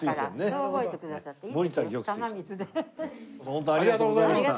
本当ありがとうございました。